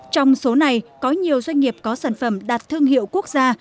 trong số này có nhiều doanh nghiệp có sản phẩm đạt thương hiệu quốc gia